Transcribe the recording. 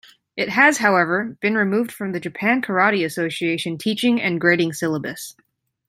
It has, however, been removed from the Japan Karate Association teaching and grading syllabus.